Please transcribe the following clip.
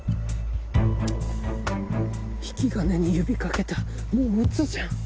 引き金に指掛けたもう撃つじゃん。